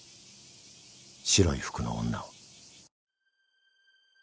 ［白い服の女を］